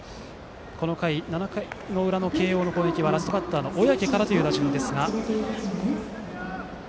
この回、７回裏の慶応の攻撃はラストバッター、小宅からという打順ですが。